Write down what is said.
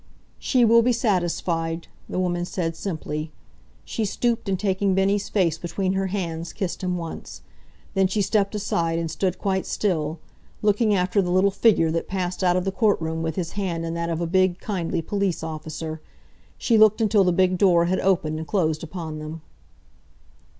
"She will be satisfied," the woman said, simply. She stooped and taking Bennie's face between her hands kissed him once. Then she stepped aside and stood quite still, looking after the little figure that passed out of the court room with his hand in that of a big, kindly police officer. She looked until the big door had opened and closed upon them.